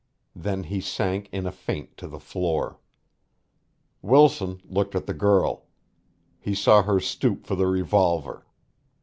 Then he sank in a faint to the floor. Wilson looked at the girl. He saw her stoop for the revolver.